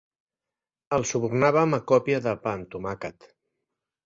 El subornàvem a còpia de pa amb tomàquet.